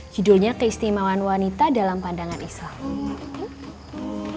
judulnya keistimewaan wanita dalam pandangan islam